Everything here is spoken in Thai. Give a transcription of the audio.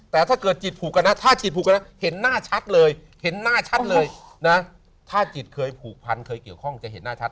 แต่ถ้าเกิดจิตผูกกันนะถ้าจิตผูกกันนะเห็นหน้าชัดเลยถ้าจิตเคยผูกพันเคยเกี่ยวข้องจะเห็นหน้าชัด